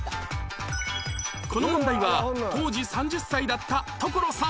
この問題は当時３０歳だった所さん